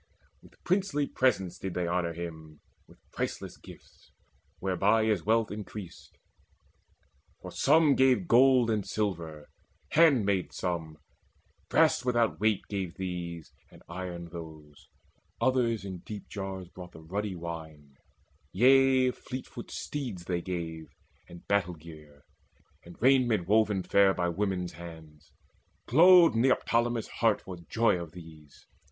With princely presents did they honour him, With priceless gifts, whereby is wealth increased; For some gave gold and silver, handmaids some, Brass without weight gave these, and iron those; Others in deep jars brought the ruddy wine: Yea, fleetfoot steeds they gave, and battle gear, And raiment woven fair by women's hands. Glowed Neoptolemus' heart for joy of these.